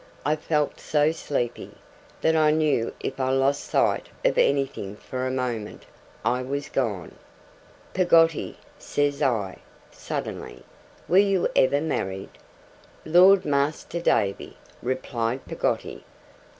I felt so sleepy, that I knew if I lost sight of anything for a moment, I was gone. 'Peggotty,' says I, suddenly, 'were you ever married?' 'Lord, Master Davy,' replied Peggotty.